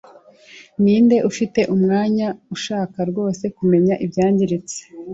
ninde ufite umwanya, ushaka rwose kumenya ibyangiritse,